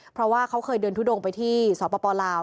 เพราะว่าเขาเคยเดินทุดงไปที่สปลาว